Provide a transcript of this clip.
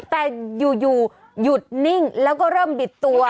แต่อยู่หยุดนิ่งแล้วก็เริ่มบิดตัว